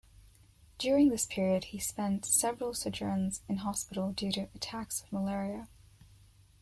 During this period, he spent several sojourns in hospital due to attacks of malaria.